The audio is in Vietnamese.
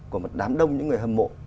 của một đám đông những người hâm mộ